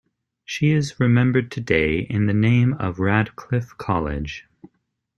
She is remembered today in the name of Radcliffe College.